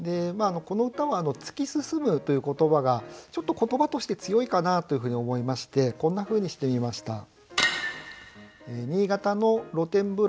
この歌は「突き進む」という言葉がちょっと言葉として強いかなというふうに思いましてこんなふうにしてみました。